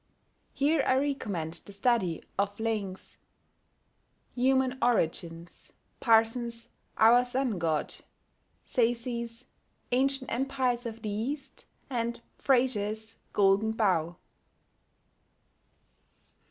Here I recommend the study of Laing's Human Origins, Parson's Our Sun God, Sayce's Ancient Empires of the East, and Frazer's Golden Bough.